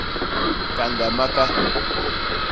Kañga maka.